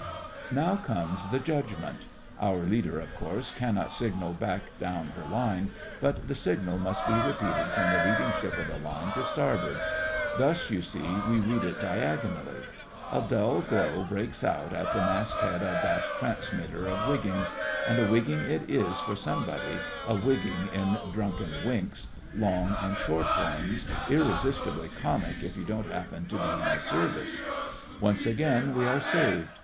Now comes the judgment! Our leader, of course, cannot signal back down her line, but the signal must be repeated from the leading ship of the line to starboard. Thus, you see, we read it diagonally. A dull glow breaks out at the mast head of that transmitter of wiggings—and a wigging it is for somebody—a wigging in drunken winks—long and short ones—irresistibly comic if you don't happen to be in the Service. Once again we are saved.